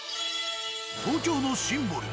東京のシンボル